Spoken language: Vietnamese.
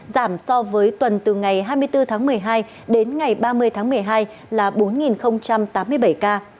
giảm so với tuần từ ngày hai mươi bốn tháng một mươi hai đến ngày ba mươi tháng một mươi hai là bốn tám mươi bảy ca